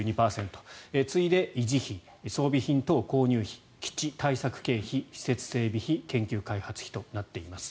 ４２％次いで維持費、装備品等購入費基地対策経費、施設整備費研究開発費となっています。